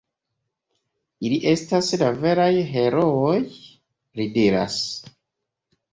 Ili estas la veraj herooj, li diras.